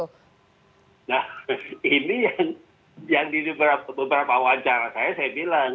nah ini yang di beberapa wawancara saya saya bilang